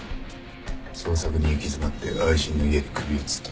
創作に行き詰まって愛人の家で首をつった。